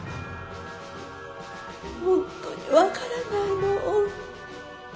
本当に分からないの。